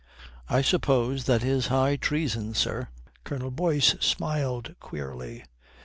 "I suppose that is high treason, sir." Colonel Boyce smiled queerly.